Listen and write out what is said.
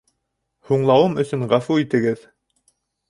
Һуңлауым өсөн ғәфү итегеҙ.